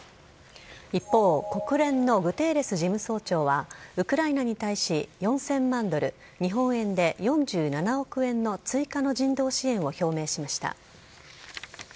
一方、国連のグテーレス事務総長はウクライナに対し、４０００万ドル、日本円で４７億円の追加の人道支援を表明しました。